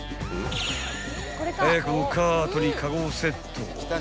［早くもカートにカゴをセット］